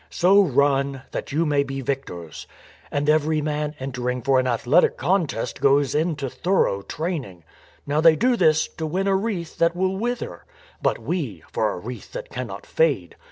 So run, that you may be victors. And every man entering for an athletic con test goes into thorough training. Now they do this to win a wreath that will wither; but we for a wreath that cannot fade.